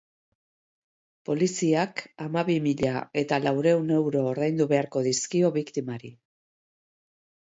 Poliziak hamabi mila eta laurehun euro ordaindu beharko dizkio biktimari.